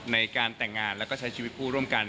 ในการแต่งงานแล้วก็ใช้ชีวิตคู่ร่วมกัน